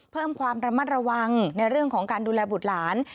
เพิ่มความระมัดระวังในเรื่องของการดูแลบุตรหลาน